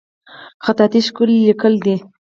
خطاطي ښکلی لیکل دي